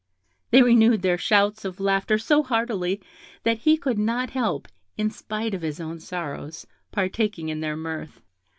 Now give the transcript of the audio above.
They renewed their shouts of laughter so heartily that he could not help, in spite of his own sorrows, partaking in their mirth.